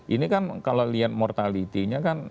ini kan kalau lihat mortality nya kan